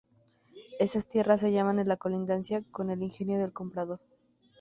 Esas tierras se hallaban en colindancia con el ingenio del comprador.